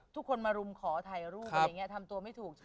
ทุกคนมารุมขอถ่ายรูปอะไรอย่างนี้ทำตัวไม่ถูก